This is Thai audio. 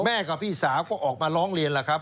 กับพี่สาวก็ออกมาร้องเรียนแล้วครับ